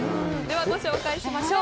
ご紹介しましょう。